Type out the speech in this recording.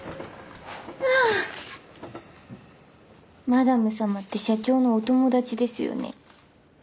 あマダム様って社長のお友達ですよね。